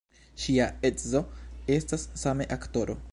Ŝia edzo estas same aktoro.